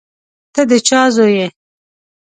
ته د چا زوی یې.